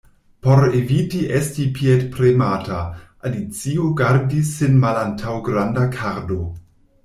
Por eviti esti piedpremata, Alicio gardis sin malantaŭ granda kardo.